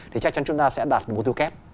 thì chắc chắn chúng ta sẽ đạt mục tiêu kép